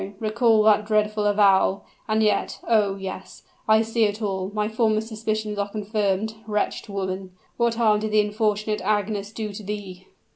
Recall that dreadful avowal! And yet oh! yes I see it all my former suspicions are confirmed. Wretched woman. What harm did the unfortunate Agnes do to thee?"